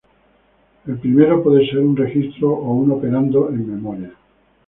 El primero puede ser un registro o un operando en memoria.